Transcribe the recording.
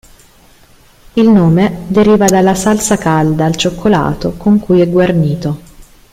Il nome deriva dalla salsa calda al cioccolato con cui è guarnito.